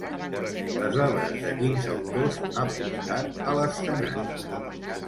Les obres de quins autors ha portat a l'escenari?